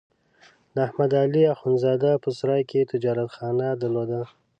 د احمد علي اخوندزاده په سرای کې تجارتخانه درلوده.